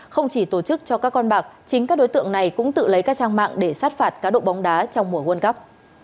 không chỉ tổ chức cho các con bạc chính các đối tượng này cũng tự lấy các trang mạng để sát phạt cá độ bóng đá trong mùa world cup